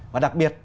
và đặc biệt